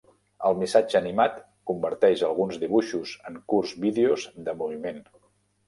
El Missatge Animat converteix alguns dibuixos en curts vídeos de moviment.